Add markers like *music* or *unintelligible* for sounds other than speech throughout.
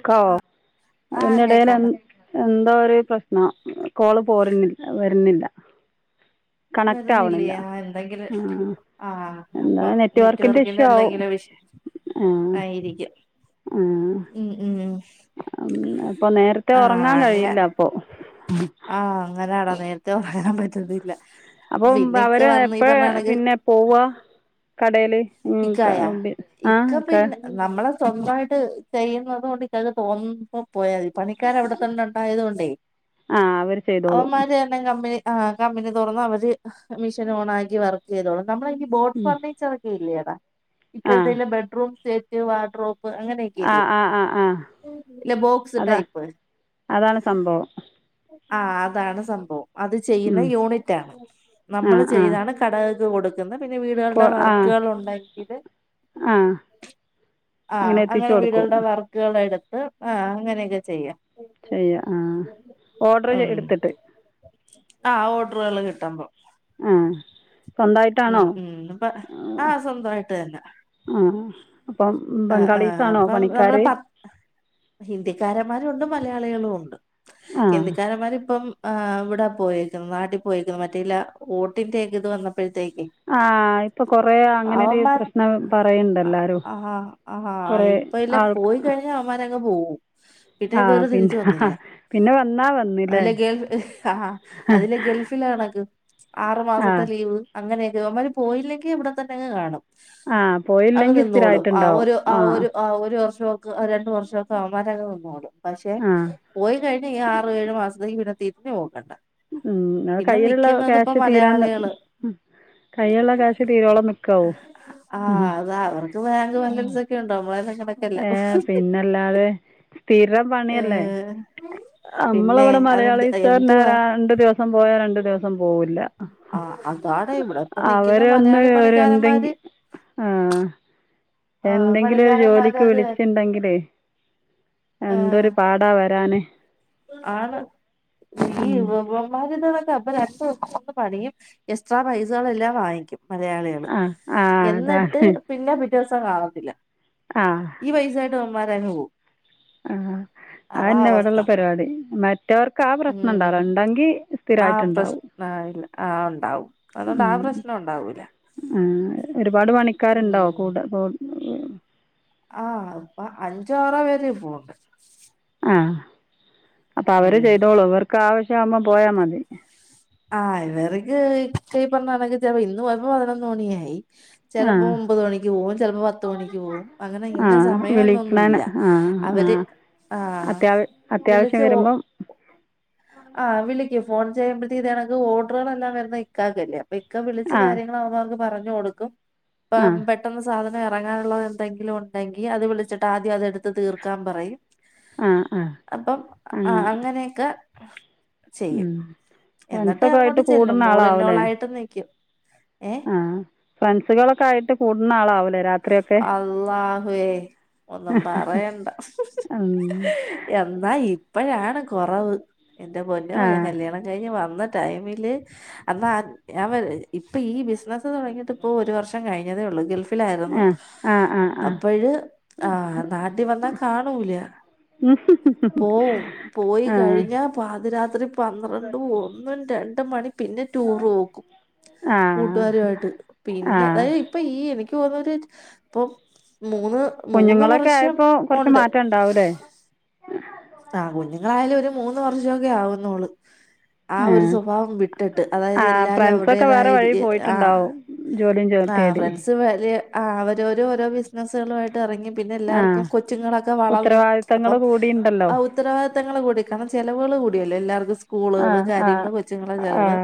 ക്കാവോ ആഹ് അതിനിടയിൽ എന് കേക്കാടാ എന് എന്തോ ഒരു പ്രശ്നം കോള് പോരുന്നില്ല വരുന്നില്ല കണക്റ്റ് വരുന്നില്ലൃ ആവണില്ല എന്തെങ്കിലും ആ ആ എന്താ അപ്പം നെറ്റ്വർക്കിന്റെ ഇഷ്യൂ ആവും എന്തെങ്കിലും വിഷയം ആയിരിക്കും ഉം ഉം ഉം അപ്പൊ നേരത്തെ ആഹ് ഉറങ്ങാൻ അങ്ങനെ കഴിയില്ല അപ്പൊ ന്തൊ പറയാൻ പറ്റുന്നില്ല അപ്പൊ പിന്നെ ഇക്ക അവര് വന്ന് ഈ എപ്പഴാ പറഞ്ഞ കണക്ക് പിന്നെ പോവാ കടയില് ഇക്കായ ഇക്ക പിന്നെ നമ്മളെ സ്വന്തയിട്ട് ചെയ്യുന്നതുകൊണ്ട് ഇക്കാക്ക് തോന്നുമ്പം പോയാമതി പണിക്കാർ അവിടെത്തന്നെയുണ്ടായത് കൊണ്ടേ ആ അവര് ചെയ്തോളൂം ആ കമ്പനി തൊറന്ന് അവര് മെഷീൻ ഓണാക്കി വർക്ക് ചെയ്തോളും നമ്മളെ ഈ ബോട്ട് ഫർണിച്ചറൊക്കെ ല്യ ആ ആ ഇപ്പഴ്തില്ലേ ബെഡ്റൂംസെറ്റ് വാട്രോ ആ ആ ആ ആ ഇല്ല ബോക്സ് അതാ ടൈപ്പ് അതാണ് സംഭവം ആ അതാണ് സംഭവം അത് ചെയ്യുന്ന ഉം. യൂണിറ്റാണ് ആ നമ്മൾ ആ ചെയ്താണ് കടകൾക്ക് കൊടുക കെ *unintelligible* പിന്നെ കൊ വീടുകള്ടെ ആ വർക്കുകൾ ഉണ്ടാക്കി ആ ആഹ് എത്തിച്ച് അങ്ങനെ കൊടുക്കും വീടുകളുടെ വർക്കുക എടുക്കും അത് ആഹ് അങ്ങനെയൊക്കെ ചെയ്യാം ചെയ്യാം. ആഹ് ഓർഡർ എടുത്തിട്ട് ആഹ് ഓഡറുക്കൾ കിട്ടുപോ ആഹ് ഉം ഉം അപ്പ ആഹ് സ്വന്തമായിട്ട് തന്നെ അപ്പം ആഹ് ആഹ ബംഗാളീസാണോ അപ്പം പണിക്കാർ നമ്മൾ പത്ത് ഹിന്ദിക്കാരന്മാരും ഉണ്ട് മലയാളികളും ഉണ്ട് ആ ഹിന്ദിക്കാരമാര് ഇപ്പം ആഹ് ഇവിടെ പോയേക്കുന്നു നാട്ടിൽ പോയേക്കുന്നു മറ്റേല്ല വോട്ടിന്റെ ഒക്കെ ഇത് വന്നപോ ആഹ് ഇപ്പൊ കൊറേ അങ്ങനെരു അവന്മാർ പ്രശ്നം പറയണ്ട് എല്ലാരും ആഹാ ഇപ്പോ ഇല്ല പോയി കഴിഞ്ഞ അവന്മാരുങ്ങു പോവും പിന്നെ ആ ഇതുവരെ പിന്നെ തിരിച്ചു വന്നില്ല പിന്നെ വന്നാൽ വന്നില്ലേ അതിലെ ഗൾഫ് ആഹ് അതിലെ ഗൾഫില കണക്ക് ആറു ആ മാസത്തെ ലീവ് അങ്ങനെ ഇവന്മാരു പോയില്ലെങ്കിൽ ഇവിടെ തന്നെങ്ങു കാണും ആ അങ്ങ് പോയില്ലെങ്കിൽ നിന്നോളും സ്ഥിരയിട്ടുണ്ടാവും ആ ഒരു ആ ഒരു ഒരു വർഷക്കെ രണ്ടു വർഷക്കെ അവന്മാരുങ്ങു നിന്നോളും പക്ഷെ ആ പോയി കഴിഞ ഈ ആറു ഏഴ് മാസത്തേക്ക് പിന്നെ തീരി- രിഞ്ഞു നോക്കണ്ട ഉം അത് പിന്നെ കയ്യിലുള്ള നിക്കുന്നത് ഇപ്പ കാശ് തീരാൻ മലയാളികള് കൈയിലുള്ള കാശ് തീരോളം നില്കുവായിരിക്കും ഉം ഇതുയൊക്കെ ഉണ്ടോ നമ്മളെയൊക്കെ ഏയ്‌ പിന്നല്ലാതെ സ്ഥിരം ഏ പണിയല്ലേ. പിന്നെ നമ്മളിവിടെ അതെന്ത് മലയാളിസിന് എന്തുവാ രണ്ടു ദിവസം പോയാ രണ്ടു ദിവസം പോവില്ല. ആ അതാണ് ഇവിടെ ഇപ്പ നിക്കുന്ന അവരൊന്ന് മലയാളി പണിക്കാരന്മാര് എന്തെങ്കിലും ആ ആ എന്തെങ്കിലും ഒരു ജോലി പണിക്കാരന്മാര് അത് വിളിച്ചിണ്ടെങ്കിൽേ ആ എന്തൊരു പാടാ വരാന്നു ആണ് ഈ വവ്വാൽ പണും എക്സ്ട്രാ പൈസകൾെല്ലാം വാങ്ങിക്കും മലയാളികള് ആ ആ എന്നിട്ട് അതാണ് പിന്നെ പി വ്യത്യാസം കാണത്തില്ല ഈ വയസാട്ട അവൻ മാരങ്ങ് പോവും ആഹ അതാ അതന്നെ അവസ്ഥ അവിടെള്ള പരിപാടി മറ്റവർക്ക് ആ പ്രശ്നം ഉം ഉണ്ടാവില്ല ഉണ്ടെങ്കി ആ സ്ഥിരായിട്ടുണ്ടാവും പ്രശ്ന ഇല്ല ആ ഉണ്ടാവും അതുകൊണ്ട് ആ ഉം പ്രശ്നം ഉണ്ടാവൂല ഒരുപാട് പണി ആൾക്കാരുണ്ടാവോ കൂട അപ്പോൾ ആ ആഹ ഇപ്പൊ അഞ്ചോറോ വേര പോണ്ട ആഹ അപ്പ അവര് ഉം ചെയ്തോളൂവർക്ക് ആവശ്യവമ്മ പോയാ മതി ആഹ് ഇവർക്ക് പറഞ്ഞണങ്ക ച ഇന്ന് വപ്പ വതണംം തോണിയായി ആ ചിലപ്പോ ഒമ്പത് മണിക്ക് പോവും ചിലപ്പോ പത്ത മണിക്ക് പോവും അങ്ങനെ ആ ഇന്നെ സമയ വിളിക്കണേന് എന്നൊന്നുമല്ല ആ ആ അവര് ആഹ അത്യാവ വിളിച്ച അത്യാവശ്യം വരുമ്പം ആഹ വിളിക്ക ഫോൺ ചെയ്യ്പ താണെങ്ക ഓഡറുകള എല്ലാം വരുന്ന നൽക്കാ കല ഇക്ക വിളിച്ചു ആ കാര്യങ്ങളാവുന്നവർക്ക് പറഞ്ഞു കൊടുക്കും പ ആ പെട്ടെന്ന് സാധന ഇറങ്ങാനുള്ളത് എന്തെങ്കിലും ഉണ്ടെങ്കിൽ അത് വിളിച്ചിട്ട് ആദ്യം അതെടുത്ത് തീർക്കാൻ പറയും ആ ആ അപ്പം അങ്ങനെ അങ്ങനെയൊക്കെ ആഹ ഉം എന്നിട്ട് ഫ്രണ്ട്സൊക്കെ അങ്ങോട്ട് ആയിട്ട് ചെല്ലും കൂടുന്ന ആളാവും മോളന്നോള അല്ലേ ആായിട്ട് ന ഇക്കം ആ ഫ്രണ്ട്സുകളൊക്കെ ആയിട്ട് കൂടുന്ന ആളാവും അള്ളാഹുവേ ഒന്നും പറയണ്ട ഉം. എന്നാ ഇപ്പഴാണ് കുറവ് എന്റെ പൊന്നെ പോ ആ ഞാൻ കല്യാണം കഴിഞ്ഞ് വന്ന ടൈമില് അന്ന് ഇപ്പൊ ഈ ബിസിനസ് തുടങ്ങിട്ട് ഇപ്പോ ഒരു വർഷം കഴി ഒന്നുങ്കിൽ ആ ഗൾഫിലായിരുന്നു ആ ആ ആ ആ അപ്പോഴ ആ നാട്ടിൽ വന്നാ കാണൂല പോവും പോയി കഴിഞ്ഞ പാതിരാത് പന്ത്രണ്ടും ഒന്നും രണ്ടുംമണി പിന്നെ ടൂർപോക്കും ആ കൂട്ടുകാരുയിട്ട് ആ പിന്നെ അതായത് ഇപ്പ ഈ എനിക്ക് വളരെ ഇപ്പൊ മൂന്ന് മൂന്ന് കുഞ്ഞുങ്ങളൊക്കെ വർഷം ആയപ്പോ കൊറച്ച് മാറ്റം ഉണ്ടാവൂല്ലേ ആ കുഞ്ഞുങ്ങളായാലും ഒരു മൂന്ന് വർഷോക്കെ ആവും. വന്നോള് ആ ഒരു സ്വഭാവം വിട്ടിട്ട് ആ അതായത് എല്ലാരും ഫ്രണ്ട്സൊക്കെ വേറെ അവരുടേതായരീതി വഴി പോയിട്ടുണ്ടാവും ജോലിയും ആ-ആ തേടി ഫ്രണ്ട്സ് വലിയ ആ അവരവരോരോ ബിസിനസ്സുകളുയിട്ട് ഇറങ്ങി ആ പിന്നെല്ലാർക്കും കൊച്ചുങ്ങളൊക്കെ വളന്ന് ഉത്തരവാദിത്തങ്ങൾ അപ്പം കൂടിയുണ്ടല്ലോ ഉത്തരവാദിത്തങ്ങള്കൂടി കാരണം ചിലവുകള് കൂടിയല്ലോ എല്ലാവർക്കും ആ സ്കൂളുകള് ആ കാര്യങ്ങള് കൊച്ചുങ്ങളെ ആ ചെലവ്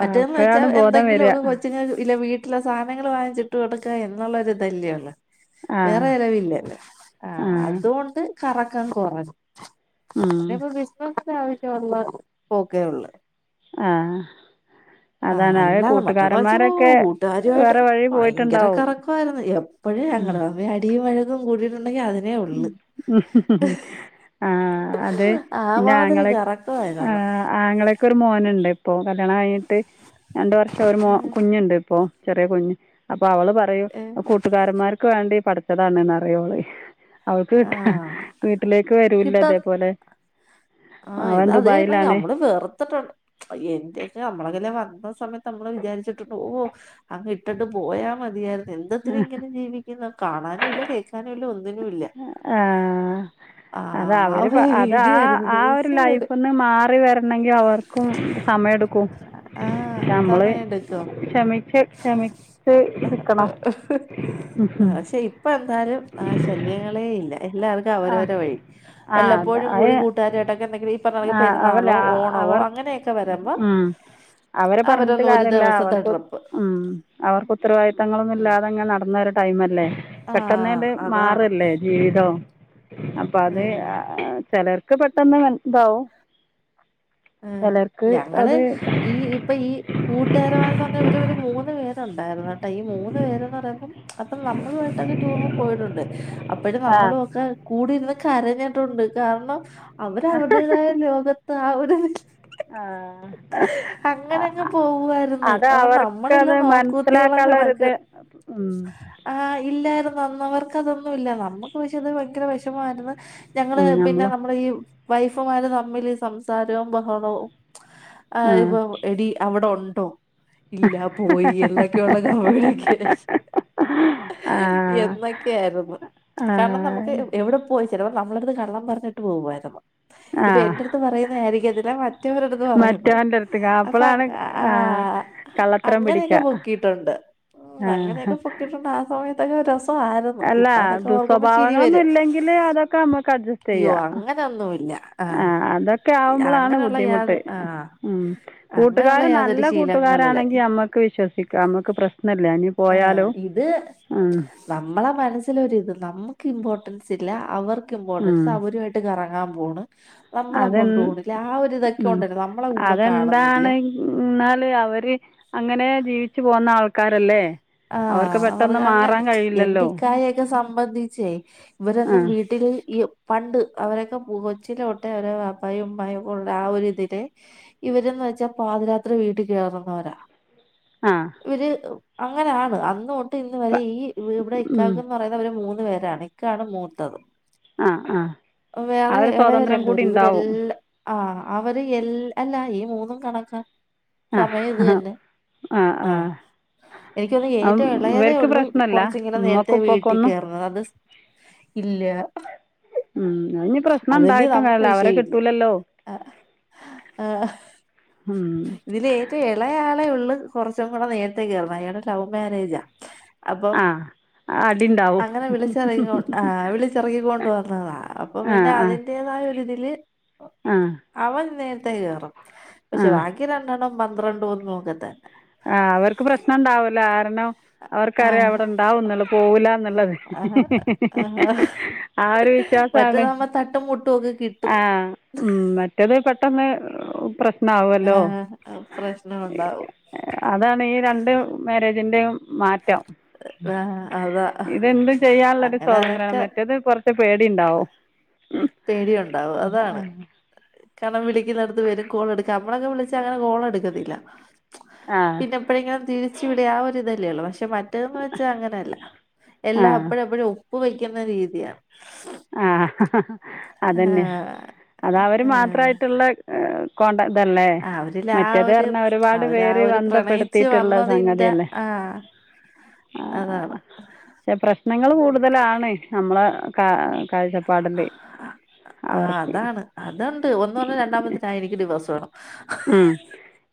മറ്റേതെന്ന്വെച്ചാ അപ്പോഴാണ് ബോധം വരിക എന്തെങ്കിലുക്കെ കൊച്ച്ങ്ങക്ക് ഇല്ല വീട്ടി വീട്ടിലെ സാനങ്ങള് വാങ്ങിച്ചിട്ട്കൊടുക്ക്ക എന്നുള്ളൊരിതല്ലേ ഉള്ളു ആ വേറെചെലവില്ല ആ അതോണ്ട് കറക്കം കൊറേ അതിപ്പ ബിശപ് ആവശ്യുള്ള പോക്കെയുള്ള് ആഹ് ആ അല്ലാ മറ്റേത്വച്ച കൂട്ടുകാരുയിട്ട് വേറെ വഴി ഭയങ്കര പോയിട്ടുണ്ടാവും കറക്കമായിരുന്നു. അപ്പഴേ ഞങ്ങള്തമ്മി അടിയും വഴുക്കും കൂടീ ഹ്മ്-ഹ്മ്-ഹ്മ്-ഹ്മ് ആ അത് ആ പിന്നെ മാതിരി ആങ്ങളെ ആ കറക്കമായിരുന്നു ആങ്ങളെ എനിക്കൊരു മോനുണ്ട്. ഇപ്പൊ കല്യാണംകഴിഞ്ഞിട്ട് രണ്ട് വർഷം ഒരു മോ ഏ കുഞ്ഞുണ്ട് ഇപ്പോ. ചെറിയകുഞ്ഞ് അപ്പ് ഇപ്പവള് പറയും ഏ കൂട്ടുകാരന്മാർക്ക് വേണ്ടി പഠിച്ചതാണ്ന്നറിയോള് അവൾക്ക്കിട്ടാ ആഹ് വീട്ടിലേക്ക് വരൂല്ലതേപോലെ ആഹ് ഇത തന്നെ നമ്മള് വെർത്തിട്ടുണ്ട് എന്റെയൊക്കെ നമ്മടെയൊക്കെയല്ലേ വന്ന ആസമയത്ത് നമ്മള് വിചാരിച്ചിട്ടുണ്ട് ഓഹ് അങ്ങിട്ടിട്ട് പോയാമതിയായിരുന്നു. എന്തത്തിനിങ്ങനെ ജീവിക്കുന്നെ. കാണാനുല്ല കേൾക്കാനുല്ല ഒന്നും ആഹ് ആ അതവര്പ ഒരു അത് രീതിയായിരുന്നു ആ ആ ഒരു ദേഷ്യം വരും ലൈഫ്ന്ന് മാറി വരണെങ്കിൽ അവർക്കും സമയെട്ക്കും ആ നമ്മള് സമയെടുക്കും ക്ഷമിച്ച് ക്ഷമച്ച് നിക്കണം അളേയില്ല എല്ലാവർക്കും അവരവര്ടെവഴി ആ അത് വല്ലപ്പോഴുംകൂടി അയ് കുട്ട് ആ അവല്ല ഓണവോ അവർ അങ്ങനെയൊക്കെ വരുമ്പോ ഉ അവര് പറഞ്ഞിട്ട് അവരൊന്ന് ഒരു കാര്മല്ല ദിവസത്തെ അവർക്ക് ട്രിപ്പ് ഉ അവർക്ക് ഉത്തരവാദിത്ങ്ങളൊന്നും ഉം ഇല്ലാതെങ്ങനെ നടന്നര ടൈം അല്ലേ ആ പെട്ടെന്നന്റെ അതാണ് മാറല്ലേ ജീവിതവും അപ്പൊ അത് ഉം ചിലർക്ക് ഒക്കെ പെട്ടെന്ന്താവും ആ ഞങ്ങള് ഈ ഇപ്പൊ ഈ കൂട്ടുകാരമാന്ന് പറഞ്ഞ ഒരു മൂന്ന് പേരുണ്ടായിരുന്ന കേട്ടോ ഈ മൂന്ന് പേരന്ന് പറയുമ്പം അപ്പം നമ്മളുമായിട്ട് ടൂറ പോയിട്ടുണ്ട് അപ്പോഴും ആ നമ്മളൊക്കെ കൂടിന്ന് കരഞ്ഞ ണ്ട് കാരണം അവരവരുടേതായ ലോകത്ത് ത്താ ആ ഒരു ആ, അങ്ങനെങ്ങ് ആ, പോവുയിരുന്നു അത് അപ്പൊ നമ്മളല്ല അവർക്കത് നോക്കുത്തികളൊ മനസ്സിലാക്കാനുള്ള കണക്ക് ഒരിത് ആ ഇല്ലായിരുന്നു അന്നവർ അതൊന്നുമല്ല നമ്മുക്ക് പക്ഷെ അത് ഭയങ്കര വിഷമായിരുന്നു ഞങ്ങള് പിന്നെ നമ്മൾ നമ്മള ഈ വൈഫുമാര് തമ്മിൽ സംസാ രവും ബഹളവും ആ ഇപ്പൊ എടി അവിടെ ഉണ്ട് ട്ടോ ഇല്ല പോയി എന്നൊക്കെയള്ള കടക്ക ആ എന്നൊക്കൊയിരുന്നു ആ കാരണം നമുക്ക് എവിടെ പോയി ചിലപ്പോ നമ്മളടു കള്ളം പറഞ്ഞിട്ട് പോകമായിരുന്നു ആ ഇപ്പൊ എന്റെ ടുത്ത് പറയും ഇതിലെ മ മറ്റവരുടുത്ത് പറയുന്നത് മറ്റവൻ്റെ അടുത്ത് അപ്പൊ അപ്പോഴാണ് ആ കള്ളത്തരം അങ്ങനെയൊക്കെ പിടിക്കുക പൊക്കിയിട്ടുണ്ട് ഉ ആ അങ്ങനെയൊക്കെ പൊക്കിട്ടുണ്ട് ആ സമയത്ത് *unintelligible* അല്ല ദുസ്വഭാവങ്ങളൊന്നും വരും ഇല്ലെങ്കില് അതൊക്കെ നമ്മുക്ക് അഡ്ജസ്റ്റ് അയ്യോ ചെയ്യാം അങ്ങനൊന്നുമില്ല ആ അതൊക്കെ നമ്മളാണ് അങ്ങനെയുള്ള യാത ബുദ്ധിമുട്ട് ആ ഉം കൂട്ടുകാർ അങ്ങനെയുള്ള യാതൊരു നല്ല ശീലങ്ങളില്ല കൂട്ടുകാരാണെങ്കി നമ്മക്ക് വിശ്വസിക്കാം നമ്മക്ക് പ്രശ്നല്ല ഇനി പോയാലും ഇത് ഉം നമ്മളെ മനസ്സിലൊരിത് *unintelligible* ഇമ്പോർട്ടൻസ് ഇല്ല അവർ ക്ക് ഇമ്പോർട്ടൻസ് ഉം അവരുമായിട്ട് കറ ആ പോണ് നമ്മള അത് കൊ *unintelligible* ആ ഒരി ഇതൊക്കെ ഉം കൊണ്ടന്നെ നമ്മളെ കൂടും കാണുന്നില്ല അതെന്താണ് എന്നാൽ അവർ അങ്ങനെ ജീവിച്ച് പോന്ന ആൾക്കാരല്ലേ അവർക്ക് ആഹ് അവർ പെട്ടെന്ന് അങ്ങനെ മാറാൻ കഴിയില്ലല്ലോ എന്റെക്കായൊക്കെ സംബന്ധിച്ചേ ആ ഇവരൊന്നും വീട്ടില് ഈ പണ്ട് അവര *unintelligible* കൊച്ചിലോട്ടെ അവര വാ പ്പയും ഉമ്മയക്കുള്ള ആ ഒരിതില് ഇവരന്ന് വെച്ചാ പാതിരാത്രി വീട്ടിൽ കയറുന്നവരാ ആ ഇവര് അങ്ങനെയാണ് അന്ന് തൊട്ട് ഇന്ന് വരെ പ- ഈ *unintelligible* ഇവിടെ ഉം. ഇക്കാക്ക് എന്ന് പറയുന്ന അവര് മൂന്ന് *unintelligible* പേരാണ് ഇക്കാണ് മൂത്തത് ആ ആ ആ ഒരു സ്വാതന്ത്ര്യം കൂടി ഉണ്ട എല്ലാ ആ അവര് എല്ലാ അല്ല ഈ മൂന്നും കണക്കാ ആ സമയം ഇത് തന്നെ ആ ആ ആഹ് എനിക്കൊന്നണ് അം ഏറ്റവും ഇളയതേ ഇവർക്ക് ഉള്ളു പ്രശ്നമല്ല കൊറച്ചിങ്ങനെ നേരത്തെ ഉമ്മക്കും ഉപ്പക്കും വീട്ടിൽ ഒന്നും കയറുന്നത് അത് സ് ഇല്ല ഉം ഇനി പ്രശ്നം അതല്ലീ ഉണ്ടായിട്ടും നമുക്ക് കാര്യമില്ല അവരെ വിഷയല്ല കിട്ടില്ലല്ലോ ആ ഇതില് ഏറ്റവും ഇളയാ *unintelligible* ഉള്ള് കുറച്ചും കൂടെ നേരത്തെേ കയറുന്നേ അയാളുടെ ലവ് മാരേജാ അപ്പം ആ അടി ഉണ്ടാവും അങ്ങനെ വിളിച്ചിറക്കി വിളിച്ചിറക്കി ക്കൊണ്ട് വന്നതാ അപ്പ ആ എന്റെ ആ അതിന്റേതായ ഒരിതില് ആ അവൻ നേരത്തെ കേയറാം ആ പക്ഷെ വാക്കി രണ്ടെണ്ണം പന്ത്രണ്ട് ഒന്നും ഒക്ക തന്നെ ആ അവർക്ക് പ്രശ്നം ഉണ്ടാവൂല *unintelligible* അവർക്കറിയാം ആഹ് അവിടെണ്ടാവുന്നൊള്ള പോവൂലന്നുള്ളത് ആഹ് ആഹ് ആ ഒരു വിശ്വാസാണ് മറ്റേതാവുമ്പോ തട്ടും മുട്ടും ഒക്കെ കിട്ടും ആ ഉം മറ്റത് പെട്ടെന്ന് പ്ര ശ്നവല്ലോ ആഹ് പ്രശ്നം ഉണ്ടാവും അതാണ് ഈ രണ്ട് മാരേജിന്റെയും മാറ്റാം ആഹ് അതാ ഇതെന്തും ചെയ്യാനുള്ളൊരു അങ്ങനെ സ്വാതന്ത്രമാണ് അതൊക്കെ മറ്റേത് കൊറ പേടി ണ്ടാവോ പേടിയ ഉണ്ടാവും അതാണ് കനം ഇളടുത്ത് വരും കോൾ എടുക്കാം നമ്മളൊക്കെ വിളിച്ചല് അങ്ങനെ കോള എടുക്കത്തില്ല ആ ആ പിന്നെ എപ്പയെ ങ്കിലും തിരിച്ചുവി ളി ആ ഒരു ഇതല്ലേള്ളൂ പക്ഷെ മറ്റേതന്ന് വെച്ചാ അങ്ങനെയല്ല ആ എല്ലാം എപ്പഴ എപ്പഴും ഉപ്പ് വെക്കുന്ന രീതിയാണ് ആ അതന്നെ ആഹ് അത അവര് മാത്രായിട്ടുള്ള എ കൊണ്ട ഇതല്ലേ ആഹ് അവരിൽ ആ ഒരു മറ്റേത്ർഞ്ഞാ ഒരുപാട് അവരാ പേര് ഒരു പ്രണയിച്ച് ബന്ധപ്പെടുത്തിട്ടുള്ള വന്നതിന്റെ സംഗതിയല്ലേ ആഹ് ആ അതാണ് പെ പ്രശ്നങ്ങൾ കൂടുതലാണ് നമ്മള് കാ കാഴ്ചപ്പാടിൽ ആ അവർക്ക് അതാണ് അതണ്ട് ഒന്ന് പറഞ്ഞ രണ്ടാമത്തിനായി എനിക്ക് ഡിവേഴ്സ് വേണം മം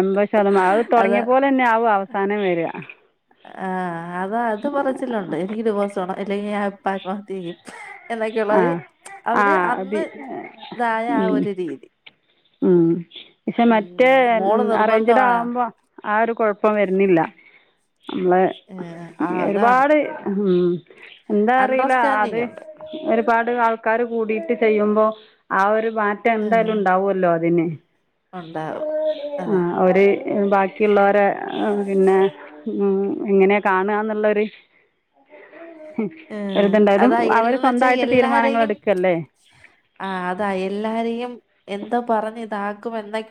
എമ്പ ചേർമ അത് അതാ തുടങ്ങിയപ്പോലെ തന്നെ ആവും അവസാനം വരിക ആ അതാ അത് പറച്ചില്ലുണ്ട് എനിക്ക് ഡിവോഴ്സ് അല്ലെങ്കിൽ ഞാൻ പ്പ ത്മഹത്യ ചെയ്യും ആ എന്നൊക്കെയുള്ളത് ആ അവര് ബി അന്ന് തായ ആ ഒരു രീതി ആ ല മറ്റേ ഉം മോള് അറേഞ്ചഡ് നിർബന്ധമാണ് ആകുമ്പോ ആ ഒരു കുഴപ്പം വരുന്നില്ല നമ്മള് ഏഹ് ആഹ് അതാണ് ഒരുപാട് ഉം എന്താ അറിയില്ല അത് അണ്ടർസ്റ്റാൻഡിങ് ഉണ്ട് ഒരുപാട് ആൾ ആൾക്കർ കൂടിട്ട് ചെയ്യുമ്പോ ആ ഒരു *unintelligible* മാറ്റം ഏഹ് എന്തായാലും ഉണ്ടാവല്ലോ അതിന് ഉണ്ടാവും ആ അതാ ഒര് ബാക്കിയുള്ളവരെ പിന്നെ ഇങ്ങനെ കാണാ എന്നുള്ളരു ആ അതാ എന്ന്ന്വെച്ചാ തീരുമാനങ്ങൾ എല്ലാരെയും എടുക്കുകയല്ലേ ആഹഅതാ എല്ലാരെയും എന്താ പറഞ്ഞ് താക്ക *unintelligible*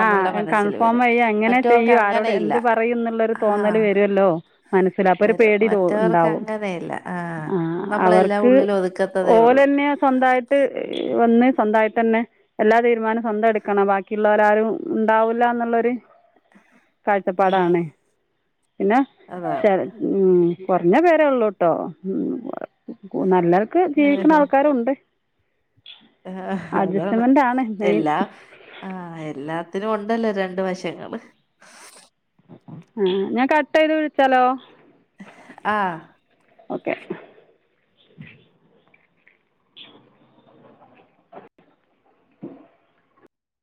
ആഹകൺഫേം എയ്യാ ങ്ങനെ മറ്റവർക്ക് ചെയ്യൂ ആരോട് അങ്ങനെയില്ല എന്ത് പറയമംന്നുള്ളരു തോന്നല് ആഹ് വരുല്ലോ മനസ്സിലപ്പൊരു വരും പേടി തോ മറ്റവർക്ക് ഉണ്ടാവും അങ്ങനെയില്ല ആഹ് ആ നമ്മളെല്ലാം അവർക്ക് ഉള്ളിൽ ഒതുക്കത്തതേ ഉള്ളൂ ഓലന്നെ സ്വന്തമായിട്ട് വന്ന് സ്വന്തമായിട്ടെന്നെ എല്ലാ തീരുമാനവും സ്വന്തം എടുക്കണം ബാക്കി ള്ളവരാരും ഉണ്ടാവൂല്ലന്നുള്ളൊരു ആഹ് കാഴ്ചപ്പാടാണ് പിന്നെ അതാണ് ചെൽ മ് ഹ് കുറഞ്ഞ പേരള്ളൂട്ടോ നല്ല ക്ക് ജീവിക്കുന്ന ആൾക്കാരും ഉണ്ട് ആഹ് അതാണ് അഡ്ജസ്റ്റ്മെൻ്റ് ആണ് മെയിൻ എല്ലാ ആ എ ല്ലാത്തിനും ഉണ്ടല്ലോ രണ്ട് വശങ്ങള് ആ ഞാന് കട്ട് ചെയ്ത് വിളിച്ചാലോ ആ ഓക്കെ